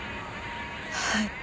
はい。